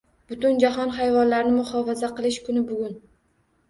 Butunjahon hayvonlarni muhofaza qilish kuni bugun.